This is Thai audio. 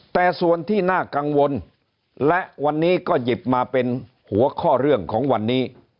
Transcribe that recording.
แต่ส่วนที่น่ากังวลและวันนี้ก็หยิบมาเป็นหัวข้อเรื่องของวันนี้